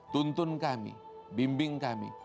tuntun kami bimbing kami